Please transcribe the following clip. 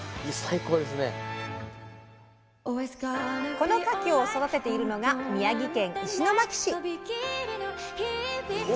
このかきを育てているのが宮城県石巻市。